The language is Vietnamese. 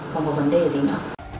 không có vấn đề gì nữa